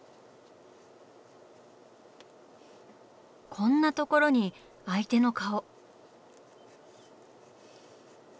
こんなところに相手の顔。